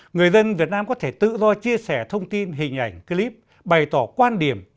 người dân việt nam có thể tự do chia sẻ thông tin hình ảnh clip bày tỏ quan điểm ý kiến của họ